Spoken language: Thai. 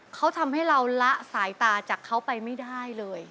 เขาทำให้เราละสายตาจากเขาไปไม่ได้เลย